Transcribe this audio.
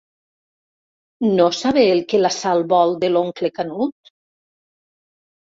¿No saber el que la Sal vol de l'oncle Canut?